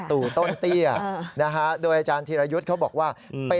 ตู่ต้นเตี้ยนะฮะโดยอาจารย์ธีรยุทธ์เขาบอกว่าไป